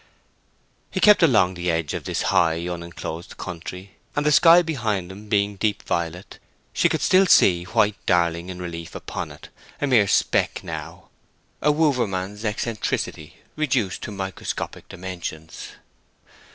He kept along the edge of this high, unenclosed country, and the sky behind him being deep violet, she could still see white Darling in relief upon it—a mere speck now—a Wouvermans eccentricity reduced to microscopic dimensions.